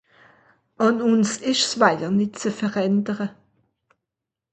Àn ùns ìsch ’s wajer nìtt se ze verändere.